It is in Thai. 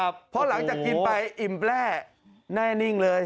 เพราะหลังจากกินไปอิ่มแร่แน่นิ่งเลย